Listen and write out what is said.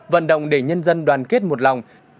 vận động để nhân dân đoàn kết một lòng